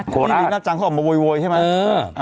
โคลาสนี่มีหน้าจังเขาออกมาโวยโวยใช่ไหมเออ